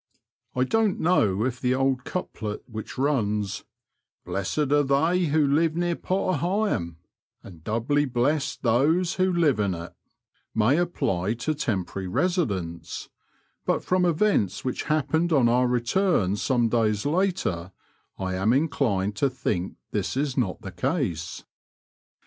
I don't know if the old couplet which runs —'* Blessed are they who live near Potter Heigham, And doubly blessed those who live in it," may apply to temporary residents, but from events which happened on our return some days later, I am inclined to think this is not the case.